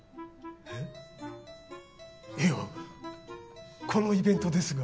えっいやこのイベントですが？